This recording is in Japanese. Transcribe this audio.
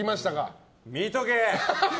見とけ！